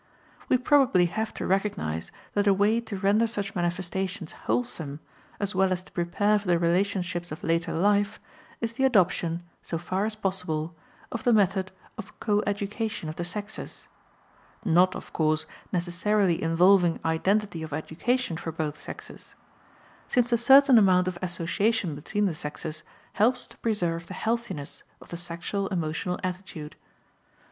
We probably have to recognize that a way to render such manifestations wholesome, as well as to prepare for the relationships of later life, is the adoption, so far as possible, of the method of coeducation of the sexes, not, of course, necessarily involving identity of education for both sexes, since a certain amount of association between the sexes helps to preserve the healthiness of the sexual emotional attitude.